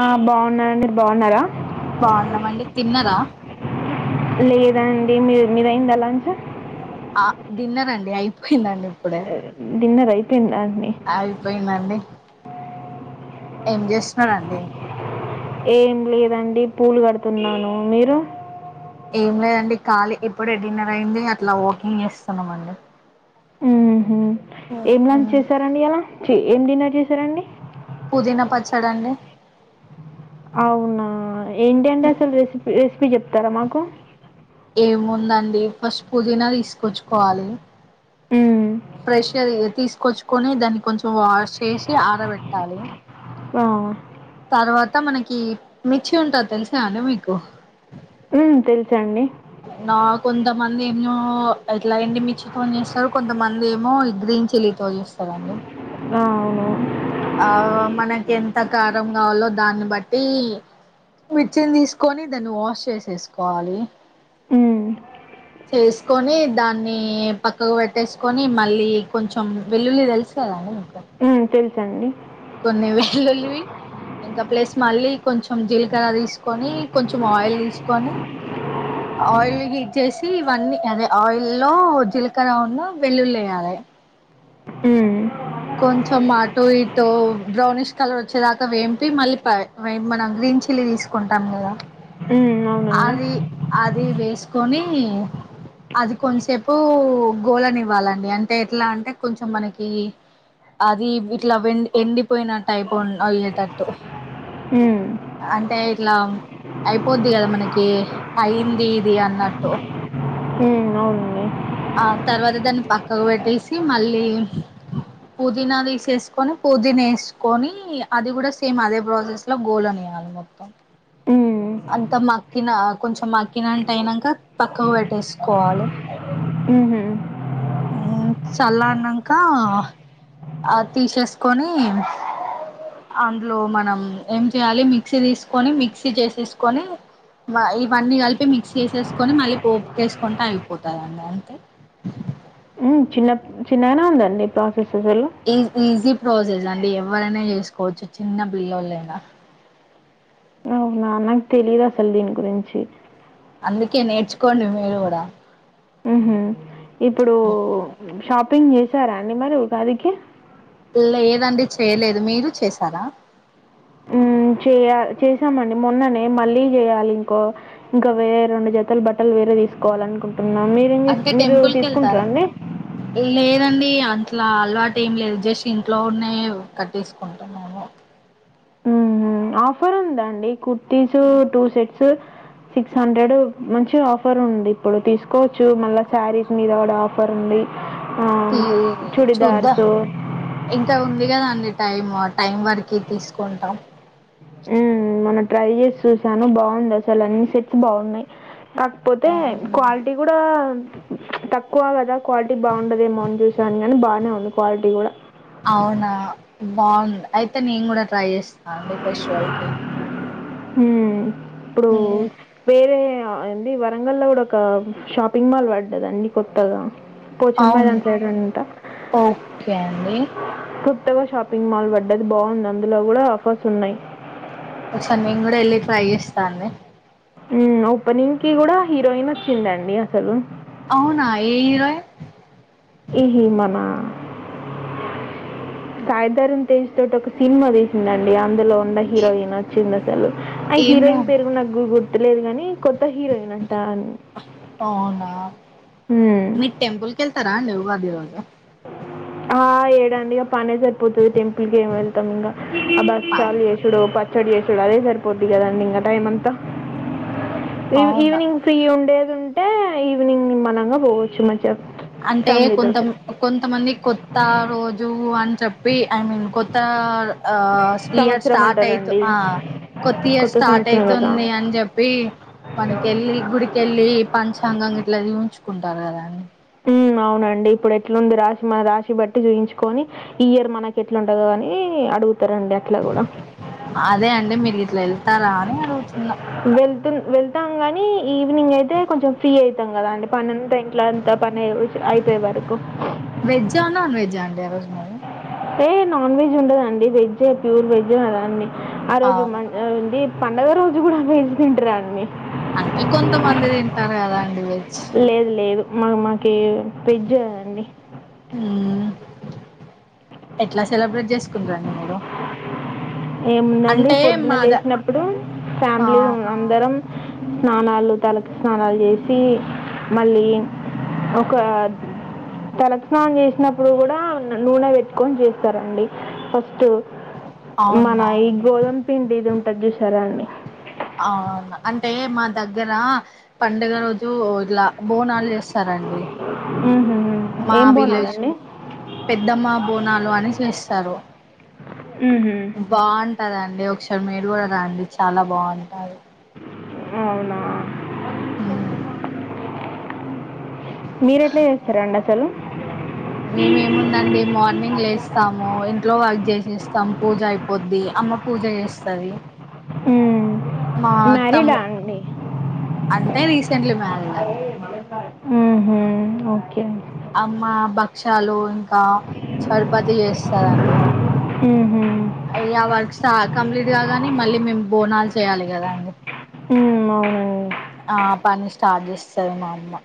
ఆ బాగున్నాండి. మీరు బాగున్నారా? బాగున్నామండి. తిన్నరా? లేదండి మీ మీదైందా లంచ్ ఆ డిన్నర్ అండి అయిపోయిందండి. ఇప్పుడే డిన్నర్ అయిపోయిందా? అండి అయిపోయిందండి. ఏం జేస్తున్నారండి? ఏం లేదండి పూలు గడుతున్నాను మీరు ఏం లేదండి ఖాళీ ఇప్పుడే డిన్నర్ అయింది. అట్లా వాకింగ్ జేస్తున్నామండి. ఉమ్ హు ఏం లంచ్ చేసారండి ఇయాలా చి ఏం డిన్నర్ జేసారండి? పుదీనా పచ్చడండి అవునా! ఏంటండి అసలు రెసిపీ రెసిపీ జెప్తారా మాకు ఏముందండి ఫస్ట్ పుదీనా దీసుకొచ్చుకోవాలే మ్మ్. ఫ్రెషల్ తీస్ కొచ్చుకొని దాన్ని కొంచెం వాష్ చేసి ఆరబెట్టాలే ఆ తర్వాత మనకి మిర్చి ఉంటది తెలుసా అండి మీకు ఉమ్ తెలుసండి మందేమో ఎట్లా ఎండిమిర్చి తో జేస్తారు. కొంతమంది ఏమో గ్రీన్ చిల్లీ తో జేస్తారండి. ఆ అవును ఆ మనకి ఎంత కారం గావాలో దాన్ని బట్టి మిర్చిన్ దీసుకొని దాన్ని వాష్ చేసేసుకోవాలి. ఉమ్ చేసుకొని దాన్ని పక్కకు పెట్టేసుకొని మళ్ళీ కొంచెం వెల్లుల్లి దెలుసు కాదా అండి మీకు ఉమ్ తెలుసండి కొన్ని వెల్లుల్లివి ఇంకా ప్లస్ మళ్ళీ కొంచెం జీలకర్ర దీసుకొని కొంచెం ఆయిల్ దీసుకొని ఆయిల్ హీట్ జేసి ఇవన్నీ అదే ఆయిల్ లో జీలకర్ర ఉన్న వెల్లుల్లి యేయాలే [inaudible] ఉమ్ కొంచెం అటు ఇటు బ్రౌనీష్ కలర్ వచ్చేదాకా వేంపి, మళ్ళీ మన గీ గ్రీన్ చిల్లీ దీసుకుంటాం గదా మ్మ్, అవునండి అది అ ది వేసుకొని అది కొంతసేపు గోళ నివ్వాలండి అంటే ఎట్లా అంటే కొంచెం మనకి అది ఇట్లా వెం ఎండిపోయిన టైపో అయ్యేటట్టు మ్మ్. అంటే ఇట్లా అయిపోద్ది గదా మనకి అయింది ఇది అన్నట్టు మ్మ్, అవునండి ఆ తర్వాత దాన్ని పక్కకు బెట్టేసి మళ్ళీ పుదీనా దీసేసుకొని పుదీనా యేసుకొని, అది గూడా సేమ్ అదే ప్రాసెస్ లో గోళ నీయ్ అది మొత్తం ఉమ్ అంత మక్కిన కొంచెం మక్కినట్టు అయినంక పక్కకు బెట్టేసుకోవాలి. మ్మ్ హు మ్ చల్లరినంకా ఆ తీసేసుకొని అందులో మనం ఏం చేయాలి మిక్సీ తీసుకొని మిక్సీ చేసేసుకొని ఇవన్నీ కలిపి మిక్స్ చేసేసుకొని మళ్ళీ పోప్ కేసుకుంటే అయిపోతండండి అంతే మ్ చిన్నపుడు చిన్నగానే ఉండే అండి పాప ఈ ఈజీ ప్రాసెస్ అండి ఎవ్వరైనా చేసుకోవచ్చు చిన్న పిల్లలైనా అ నాకు తెలీయదు అసలు దీని గురించి అందుకే నేర్చుకోండి మీరు గూడా మ్మ్ హు ఇప్పుడు షాపింగ్ చేసారా అండి మరి ఉగాదికి లేదండి చేయలేదు మీరు చేసారా మ్ చేయ చేసామండి మొన్ననే మళ్ళీ చేయ్యాలి ఇంకో ఇంకా వేరే రెండు జ జతలు బట్టలు వేరే తీసుకోవాలనుకుంటున్నా మీరేం అంటే మీరు టెంపుల్ కి వెళ్తారా తీసుకుంటార అండి లేదండి అట్ల అలవాటు ఏం లేదు జస్ట్ ఇంట్లో ఉన్నాయే కట్టేసుకుంటాం మేము మ్మ్ హ్హ్ ఆఫర్ ఉందా అండి kurtis two sets six hundred మంచి ఆఫర్ ఉంది ఇప్పుడు తీసుకోవచ్చు మళ్ళా శారీస్ మీద కూడా ఆఫర్ ఉంది మ్ తీ చూద్దాం ఇంకా ఉంది కదా అంది టైం ఆ టైం వరకు తీసుకుంటాం మ్మ్ మనం ట్రై చేసి చూసాను బాగుంది అసలనేసి అన్ని సెట్స్ బాగున్నాయి కాకపోతే అవునా క్వాలిటీ కూడా తక్కువ కదా క్వాలిటీ బాగుండదేమో అని చూసాను కానీ బాగానే ఉంది క్వాలిటీ కూడా అవునా బాగుందా అయితే నేను కూడా ట్రై చేస్తాను అండి ఫెస్టివల్ కి మ్మ్ హ్ ఇప్పుడు హ్మ్, వేరే ఆ అండి వరంగల్ లో కూడా ఒక షాపింగ్ మాల్ పడ్డది అండి కొత్తగా అవును పోచమైదాన్ సైడ్ అనుకుంటా ఓకే అండి కొత్తగా షాపింగ్ మాల్ పడ్డది బాగుంది అందులో కూడా ఆఫర్స్ ఉన్నాయి ఒకసారి నేను కూడా వెళ్ళి ట్రై చేస్తా అండి మ్మ్ ఓపెనింగ్ కి కూడా హీరోయిన్ వచ్చిందండి అసలు అవునా ఏ హీరోయిన్ సాయిధారమ్ తేజ్ తోటి ఒక సినిమా తీసిందండి అందులో ఏ- హీరోయిన్ వచ్చింది అసలు ఆ ఏమో హీరోయిన్ పేరు నాకు్ గుర్తులేదు గాని కొత్త హీరోయిన్ అంట అవునా హ్మ్. మీరు టెంపుల్ కెల్తారా అండి ఉగాది రోజు ఆ ఏడండి ఇగ పనే జరి పోతది టెంపుల్ కేం వెళ్తాం ఇంకా ఆ పా- భక్షలు చేసుడో పచ్చ డి చేసుడు అదే సరిపోద్దిగాదా ఇంగ టైం అంతా అవునా ఈవినింగ్ ఫ్రీ ఉండేదుంటే ఈవినింగ్ నిమ్మళంగా పోవచ్చు మంచిగా అంటే కొంత ఫ్యామిలీతోటి. కొంతమందికి కొత్త రోజు వు అని చెప్పి ఐ మీన్ కొత్త ఆ ఇయర్ సంవత్సరం స్టార్ట్ అయితు అంటారండి. ఆ కొత్త ఇయర్ స్టార్ట్ సంవత్సరం కదా! అయితుంది అని చెప్పి మనకెళ్ళి గుడికెళ్ళి పంచాంగం గిట్లా చూయించుకుంటారు కదా అండి మ్మ్ అవునండి ఇప్పుడు ఎట్లుంది రాశి మన రాశి బట్టి చూయించుకొని ఈ ఇయర్ మనకి ఎట్లుంటదో అని అడుగుతు రండి అట్లా కూడా అదే అండి మీరు ఇట్లా వెళ్తారా అని అడుగుతున్నా వెళ్తున్ వెళ్తాం గానీ ఈవినింగ్ అయితే కొంచం ఫ్రీ అయితాం కదా అండి పనంత అయి ఇంట్లా అంత పని అయి అయిపోయే వరకు జండే ఆ రోజు గాదు ఏ నాన్ వెజ్ ఉండదండి వెజ్జే ప్యూర్ వెజ్ అదీ అన్ని ఆ రోజు మన్ ఆడి పండుగ రోజు కూడా నీస్ తింటారా అండి అంటే కొంతమంది తింటారు కదా అండి వెజ్ కె పెజ్జా అండి. మ్మ్ ఎట్లా సెలబ్రేట్ చేసుకుంటరండి మీరు? ఏముందండి, అంటే పొద్దున మాద లేసినప్పుడు ఆ ఫ్యామిలీ అందరం స్నానాలు. తలకి స్నానాలు చేసి, మళ్ళీ, ఒక తలకి స్నానం చేసినప్పుడు కూడా, నూనె పెట్టుకొని చేస్తారండి ఫస్ట్ మన ఈ అవునా గోధుమ పిండి, ఇది ఉంటది చూసారా అండి! అవును. అంటే, మా దగ్గర పండుగ రోజు ఒ ఇలా బోనాలు చేస్ మ్ మా విలేజ్. పెద్దమ్మ బోనాలు అని చేస్తారు. మ్హూ. బాంటదండి ఒక్కసారి మీరు కూడా రాండి. చాల బాంటది. అవునా! మ్ మీరెట్ల చేస్తరండి అసలు? మేమేముందండి మార్నింగ్ లేస్తాము. ఇంట్లో వర్క్ చేసేస్తాము పూజ అయిపోద్ది. అమ్మ, పూజ చేస్తది. మ్మ్ మా మ్యారీడా తమ్ము అండి? అంటే రీసెంట్లీ మ్యారీడ్ అండి మ్ హు ఓకె అమ్మా భక్షాలు ఇంక్ కా చరుపతి చేస్తాదండి. మ్హూ. అయ్యా వర్క్ స్ట కంప్లీట్ కాగానే మళ్ళీ మేము బోనాలు చేయ్యాలి కదా అండి! మ్మ్ అవునన్ ఆ పని స్టార్ట్ చేస్తది. మా అమ్మ.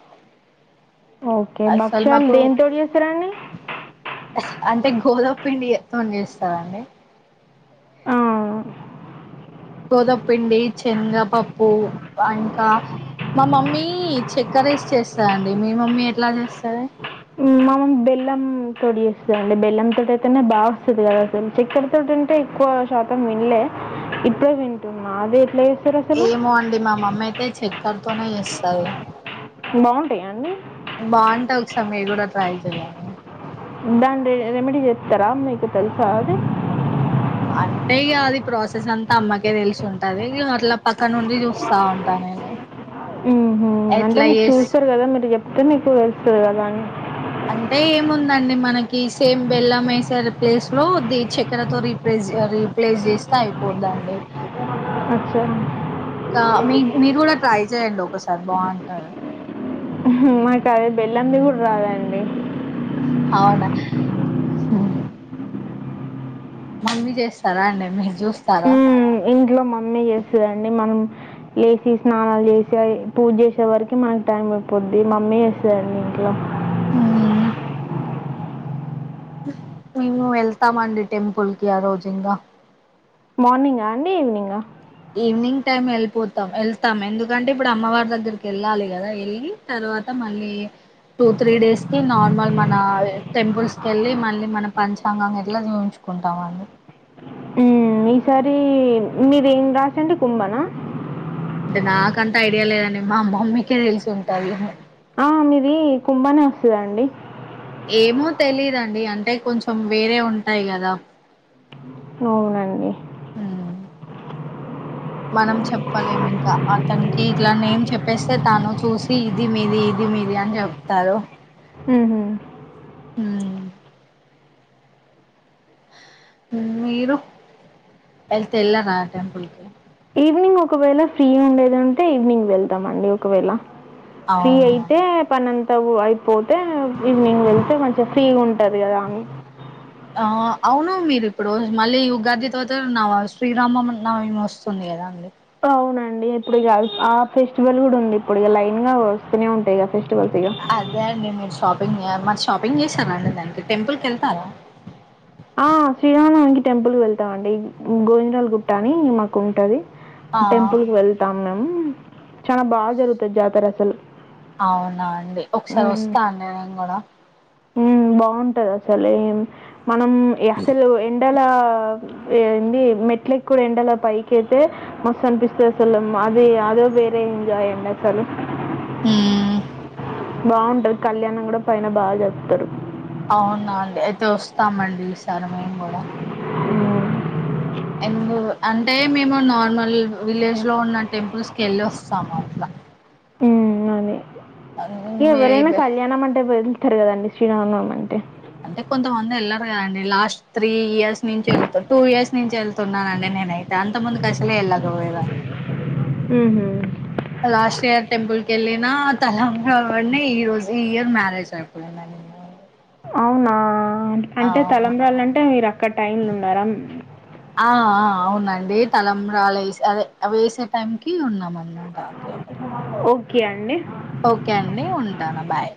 ఓకే అస్సల్ భక్ష్యాలు మాకు, దేనితో చేస్తారండి అంటే గోదమ్ పిండి తోని చేస్తదండి. ఆ, గోదప్ పిండి, శనగపప్పు ఇంకా మా మమ్మీ చెక్కరేస్ చేస్తదండి. మీ మమ్మీ ఎట్లా చేస్తది మా మమ్ బెల్లం తోటి చేస్తదండి. బెల్లం తోటయితేనే బాగొస్తది కదా అస్సల్ చక్కెర తోటంటే ఎక్కువ షా శాతం విన్లే. ఇప్పుడే వింటున్నా. అదే ఎట్ల చేస్ ఏమో అండి. మా మమ్మీ అయితే చక్కర్తోనే చేస్తది. బాగుంటాయా అండి బాంటయ్. ఒకసారి మీర్ కూడ ట్రై చెయ్యన్ దాన్ ది రెమెడీ చెప్తారా? మీకు తెలుసా అది! అంటే ఇగ అది ప్రాసెస్ అంతా అమ్మకే తెలిసుంటది. ఇగ అట్ల పక్కనుండి చూస్తా ఉంటాను. మ్ హు అంటే, మీకు చేస్ చూస్తారు కదా! మీరు చెప్తే మీకు తెలుస్తది కదా అని. అంటే ఏముందండి, మనకి సేమ్ బెల్లం యేసేర్ ప్లేస్ లో ది చక్కెరతో రీప్లేస్. జ్ రీప్లేస్ చేస్తే అయిపోద్దండి. అచ్ఛా కా మీక్ మీరు కూడా ట్రై చేయండి ఒకసారి బాన్టది. మ్హు మాకది బెల్లంది కూడ రాదండి. అవునా హుమ్ మమ్మీ చేస్తారా అండి! మీరు చూస్తారా? మ్ ఇంట్లో మమ్మీ చేస్తదండి. మనం లేసి, స్నానాలు చేసి, పూజ చేసే వరకి మనకు టైం అయిపోద్ది. మమ్మీ చేస్తదండి ఇంట్లో. మ్ మేము వెళ్తామండి టెంపుల్ కి ఆ రోజు ఇంగ మార్నింగా అండి ఈవెనింగా? ఈవినింగ్ టైమ్ వెళ్ళిపోతాం. వెళ్తాం. ఎందుకంటే, ఇప్పుడు అమ్మవారి దగ్గరికి వెళ్ళాలి కదా! వెళ్ళి తర్వా త్వాత మళ్ళీ టూ త్రీ డేస్ కి నార్మల్ మన టెంపుల్స్ కెళ్ళి, మళ్ళీ మన పంచాంగం ఇట్లా చూయించ్ కుంటామండి. ఉ ఈసారి మీరేం రాసండి కుంభనా అంటే నాకంత ఐడియా లేదండి మా మమ్మీ కే తెలిసి ఉంటది ఆ మీది కుంభనే వస్తదండి ఏమో తెలీదండి అంటే కొంచెం వేరే ఉంటాయి కదా అవునండి హ్మ్. మనం చెప్పలేం ఇంకా అతనికి ఇట్లా నేమ్ చెప్పేస్తే తాను చూసి ఇది మీది ఇది మీది అని చెప్తారు ఉహూ హ్మ్. హూ మీరు వెళ్తే వెళ్ళారా టెంపుల్ కి ఈవినింగ్ ఒకవేళ ఫ్రీ ఉండేదుంటే ఈవినింగ్ వెళ్తామండి ఒకవేళ ఫ్రీ అవును అయితే పనంతా ఊ అయిపోతే ఈవినింగ్ వెళ్తే మంచిగా ఫ్రీ ఉం టది కదా అని ఆ అవును మీరు ఇప్పుడు మళ్ళీ ఉగాది తవత నా శ్రీరామం నవమి వస్తుంది కదా అండి అవునండి ఇప్పుడిక అయి ఆ ఫెస్టివల్ కూడా ఉంది ఇప్పుడిక లైన్ గా వస్తూనే ఉంటాయి ఇగా అదే అండి మీరు షాపింగ్ ఏం మరి షాపింగ్ చేస్తారా అం దానికి టెంపుల్ కెళ్తారా ఆ శ్రీరామనవమికి టెంపుల్ వెళ్తాం అండి గోవిందరల్ గుట్ట అని మాకు ఉంటది టెంపుల్ కి వెళ్తాం మేమ్ చానా బా జరుగుతది జాతర అసలు అవునా అండి ఒకసారి వస్తా అండి నేన్ కూడా హూ బాంటది అసలేమ్ మనం అసలు ఎండల ఏంది మెట్లెక్కి కూడా ఎండలో పైకి అయితే మస్తు అనిపిస్తది అసలు మాది అదో వేరే ఎంజాయ్ అండి అసలు హ్మ్ బాంటది కళ్యాణం కూడా పైన బా జరుప్తారు అవునా అండి అయితే వస్తామండి ఈసారి మేం కూడా హ్మ్ ఎందు అంటే మేము నార్మల్ విలేజ్ లో ఉన్న టెంపుల్స్ కి ఎళ్ళి వస్తాము అట్లా హూమ్ అది ఎవరైనా వే- కళ్యాణం అంటే వెళ్తారు కదండి శ్రీరామ్ నవమంటే అంటే కొంతమంది వెళ్ళారు కదండి లాస్ట్ త్రీ ఇయర్స్ నుంచి వెళ్తుర్ టూ ఇయర్స్ నుంచి వెళ్తున్నానండి నేనైతే అంత ముందు కసలే ఎల్లాబోయేదాన్ని హుహు. లాస్ట్ ఇయర్ టెంపుల్ కెళ్లి నా తలంబ్రాలు వలనే ఈ రోజు ఈ ఇయర్ మ్యారేజ్ అయిపోయిందండి అవునా అంటే అవును తలంబ్రాలు అంటే మీరు అక్కడ టైంలున్నారా మ్మ్ ఆ ఆ అవునండి తలంబ్రాలు ఏసే అదే అవి వేసే టైంకి ఉన్నాం అన్నమాట అంటే అక్కడ ఓకే అండి. ఓకే అండి ఉంటాను బాయ్